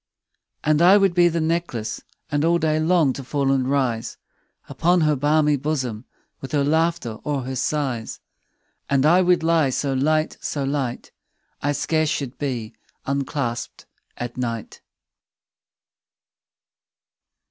And I would be the necklace, And all day long to fall and rise Upon her balmy bosom, 15 With her laughter or her sighs: And I would lie so light, so light, I scarce should be unclasp'd at night.